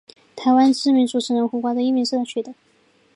台湾知名主持人胡瓜的艺名是他取的。